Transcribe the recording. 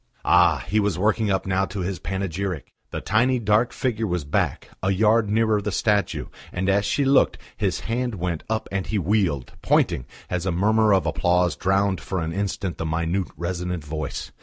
Ah! he was working up now to his panegyric! The tiny dark figure was back, a yard nearer the statue, and as she looked, his hand went up and he wheeled, pointing, as a murmur of applause drowned for an instant the minute, resonant voice.